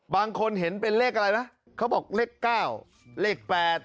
บางคนเห็นเป็นเลขอะไรไหมเขาบอกเลข๙เลข๘